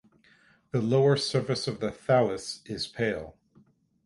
The lower surface of the thallus is pale.